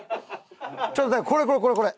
ちょっとだからこれこれこれこれ！